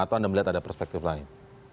atau anda melihat ada perspektif lain